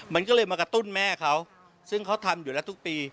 มันก็เลยมากระตุ้นแม่เขาซึ่งเขาทำอยู่แล้วทุกปี